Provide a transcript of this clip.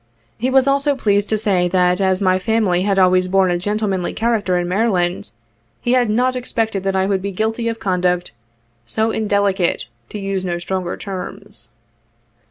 He was also pleased to say that as my family had always borne a gentlemanly character in Maryland he had not expected that I would be guilty of conduct '' so indelicate, to use no stronger terms."